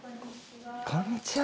こんにちは。